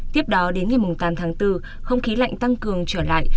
tiếp đó đến ngày tám tháng bốn không khí lạnh tăng cường trở lại